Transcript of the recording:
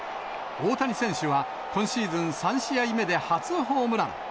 大谷選手は今シーズン３試合目で初ホームラン。